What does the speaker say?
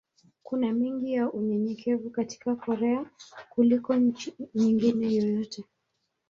Kuna mengi ya unyenyekevu katika Korea kuliko nchi nyingine yoyote.